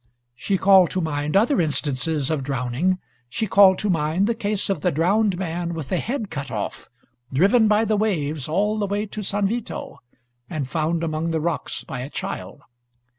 She called to mind other instances of drowning; she called to mind the case of the drowned man with the head cut off, driven by the waves all the way to San Vito, and found among the rocks by a child.